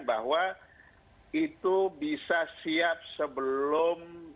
bahwa itu bisa siap sebelum